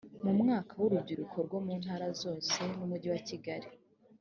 mu mwaka wa urubyiruko rwo mu ntara zose n umujyi wa kigali